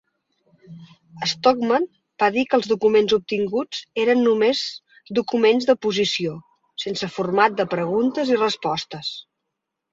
Stockman va dir que els documents obtinguts eren només documents de posició, sense format de preguntes i respostes.